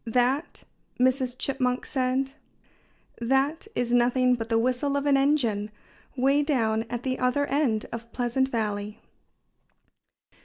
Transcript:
"That " Mrs. Chipmunk said "that is nothing but the whistle of an engine, way down at the other end of Pleasant Valley."